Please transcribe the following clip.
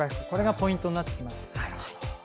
これがポイントになってきます。